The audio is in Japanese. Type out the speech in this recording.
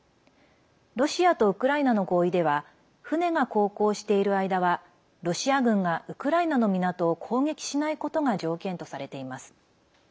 ロシアとウクライナの合意では船が航行している間はロシア軍がウクライナの港を攻撃しないことが条件とされています。